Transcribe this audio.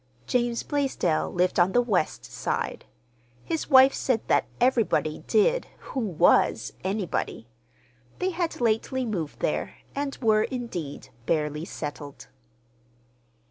James Blaisdell lived on the West Side. His wife said that everybody did who was anybody. They had lately moved there, and were, indeed, barely settled.